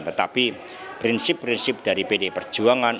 tetapi prinsip prinsip dari pdi perjuangan